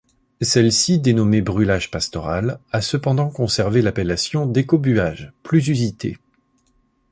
Celle-ci, dénommée brûlage pastoral, a cependant conservé l'appellation d'écobuage, plus usitée.